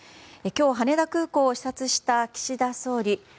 今日、羽田空港を視察した岸田総理。